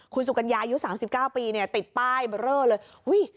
คุณสุกัญญาอายุ๓๙ปีเนี่ยติดป้ายเบอร์เลอร์เลย